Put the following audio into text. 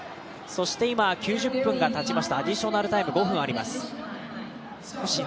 そして９０分がたちました、５分のアディショナルタイムがあります。